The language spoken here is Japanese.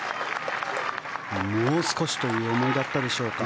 もう少しという思いだったでしょうか。